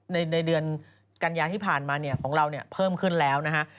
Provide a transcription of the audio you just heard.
ในเดือนกันยาที่ผ่านมาของเราเพิ่มขึ้นแล้วนะคะ